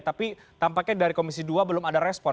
tapi tampaknya dari komisi dua belum ada respon